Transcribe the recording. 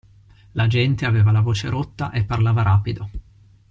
L'agente aveva la voce rotta e parlava rapido.